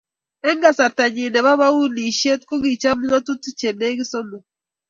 eng kasarta nyin nebo bounishet kokichop ngatutik chelegit sosom